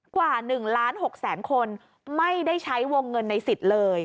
กว่า๑๖๐๐๐๐๐คนไม่ได้ใช้วงเงินในสิทธิ์เลย